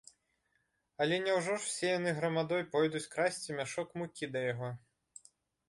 Але няўжо ж усе яны грамадой пойдуць красці мяшок мукі да яго?